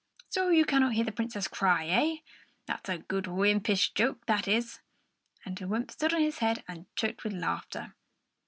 So you cannot hear the Princess cry, eh? That's a good wympish joke, that is!" And the wymp stood on his head and choked with laughter.